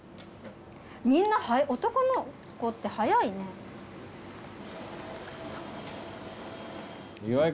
みんな男の子って早いね。